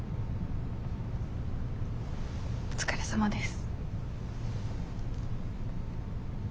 お疲れさまです。